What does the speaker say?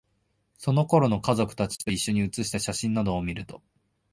その頃の、家族達と一緒に写した写真などを見ると、